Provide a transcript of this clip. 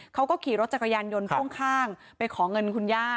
เขาก็ขี่รถจักรยานยนต์พ่วงข้างไปขอเงินคุณย่า